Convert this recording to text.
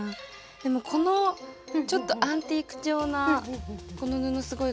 でもこのちょっとアンティーク調なこの布すごいかわいいです。